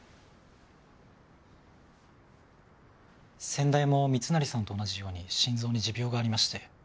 先代も密成さんと同じように心臓に持病がありまして。